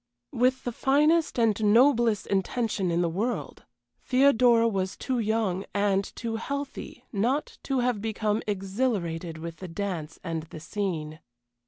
With the finest and noblest intention in the world, Theodora was too young, and too healthy, not to have become exhilarated with the dance and the scene.